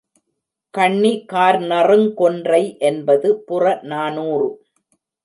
கண்ணி கார்நறுங் கொன்றை என்பது புறநானூறு.